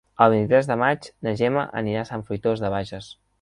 El vint-i-tres de maig na Gemma anirà a Sant Fruitós de Bages.